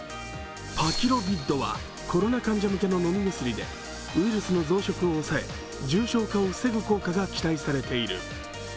パキロビッドはコロナ患者向けの飲み薬でウイルスの増殖を抑え重症化を防ぐ効果が期待されている。